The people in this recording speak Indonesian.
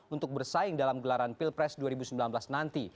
untuk bersaing dalam gelaran pilpres dua ribu sembilan belas nanti